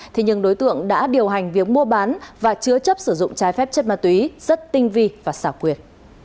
thế nhưng đối tượng đã điều hành việc mua bán và chứa chấp sử dụng trái phép chất ma túy rất tinh vi và xảo quyệt